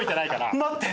待って！